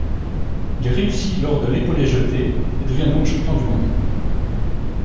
Il réussit lors de l'épaulé-jeté et devient donc Champion du monde.